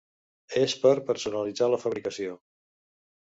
És per personalitzar la fabricació.